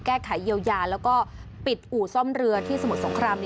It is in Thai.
แก้ไขเยียวยาแล้วก็ปิดอู่ซ่อมเรือที่สมุทรสงคราม